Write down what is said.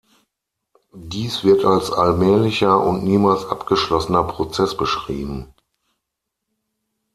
Dies wird als allmählicher und niemals abgeschlossener Prozess beschrieben.